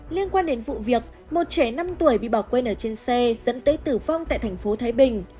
liên quan đến vụ việc một trẻ năm tuổi bị bỏ quên ở trên xe dẫn tới tử vong tại thành phố thái bình